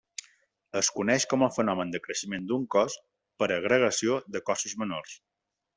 Es coneix com el fenomen de creixement d'un cos per agregació de cossos menors.